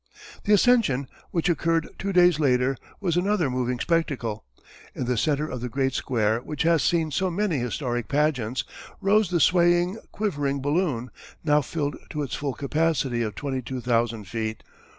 The ascension, which occurred two days later, was another moving spectacle. In the centre of the great square which has seen so many historic pageants, rose the swaying, quivering balloon, now filled to its full capacity of twenty two thousand feet.